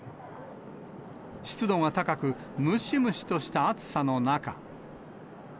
湿度が高く、ムシムシとした暑さの中。